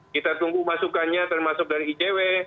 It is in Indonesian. kita tunggu masukannya termasuk dari icw